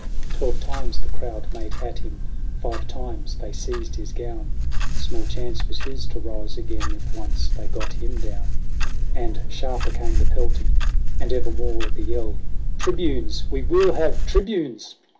Twelve times the crowd made at him ; five times they seized his gown ; Small chance was his to rise again, if once they got him down : And sharper came the pelting ; and evermore the yell —" Tribunes! we will have Tribunes